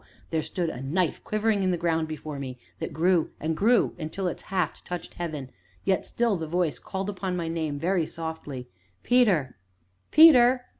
there stood a knife quivering in the ground before me, that grew and grew until its haft touched heaven, yet still the voice called upon my name very softly: "Peter! Peter!